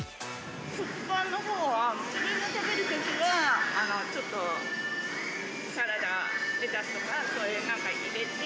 食パンのほうは、自分で食べるときは、ちょっとサラダ、レタスとかそういうなんか入れて。